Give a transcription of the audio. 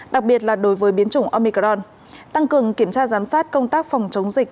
đặc biệt là đối với biến chủng omicron tăng cường kiểm tra giám sát công tác phòng chống dịch